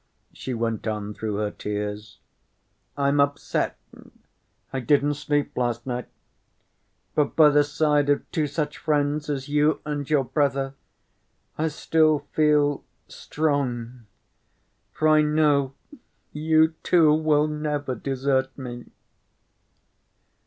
she went on through her tears. "I'm upset, I didn't sleep last night. But by the side of two such friends as you and your brother I still feel strong—for I know—you two will never desert me."